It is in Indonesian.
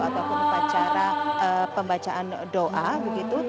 ataupun upacara pembacaan doa begitu